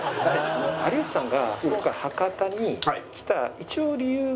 有吉さんが今回博多に来た一応理由が。